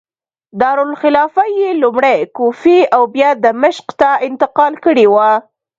دارالخلافه یې لومړی کوفې او بیا دمشق ته انتقال کړې وه.